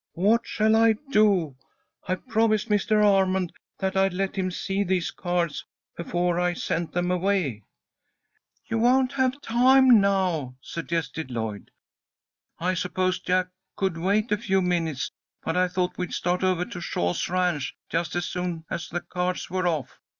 "What shall I do? I promised Mr. Armond that I'd let him see these cards before I sent them away." "You won't have time now," suggested Lloyd. "I suppose Jack could wait a few minutes, but I thought we'd start over to Shaw's ranch just as soon as the cards were off.